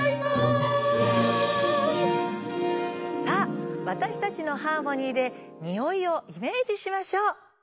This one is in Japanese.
さあわたしたちのハーモニーでにおいをイメージしましょう。